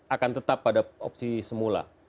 akan tetap pada opsi semula